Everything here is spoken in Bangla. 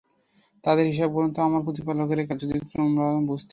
তাদের হিসাব গ্রহণ তো আমার প্রতিপালকেরই কাজ, যদি তোমরা বুঝতে।